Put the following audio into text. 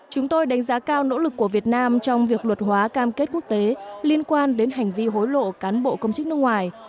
chúng tôi đánh giá cao nỗ lực của việt nam trong việc luật hóa cam kết quốc tế liên quan đến hành vi hối lộ cán bộ công chức nước ngoài